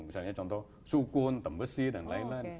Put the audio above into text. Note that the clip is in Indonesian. misalnya contoh sukun tembesi dan lain lain